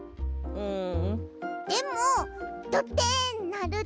うん！